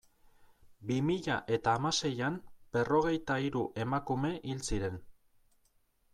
Bi mila eta hamaseian berrogeita hiru emakume hil ziren.